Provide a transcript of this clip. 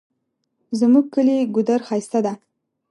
زمونږ کلی ګودر ښایسته ده